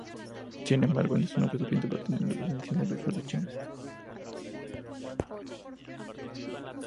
Sin embargo, esto no fue suficiente para obtener la rendición de las fuerzas chinas.